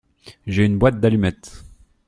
J’ai une boîte d’allumettes.